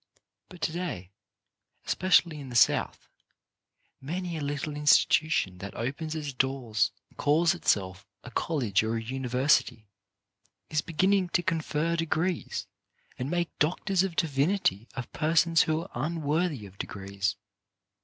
But to day, especially in the South, many a little institution that opens its doors and calls itself a college or a university, is beginning to confer degrees, and make doctors of divinity of, persons who are unworthy of degees.